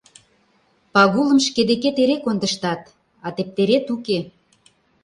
— Пагулым шке декет эре кондыштат, а тептерет уке.